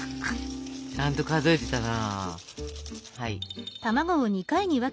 ちゃんと数えてたな。